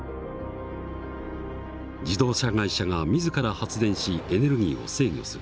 自動車会社が自ら発電しエネルギーを制御する。